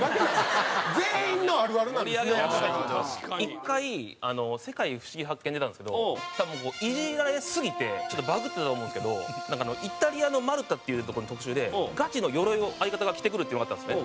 １回『世界ふしぎ発見！』に出たんですけど多分イジられすぎてちょっとバグってたと思うんですけどイタリアのマルタっていうとこの特集でガチのよろいを相方が着てくるっていうのがあったんですね。